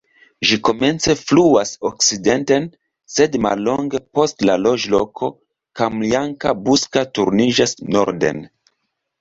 Ĝi komence fluas okcidenten, sed mallonge post la loĝloko Kamjanka-Buska turniĝas norden.